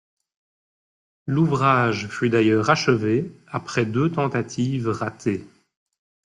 L'ouvrage fut d'ailleurs achevé après deux tentatives ratées.